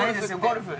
ゴルフ。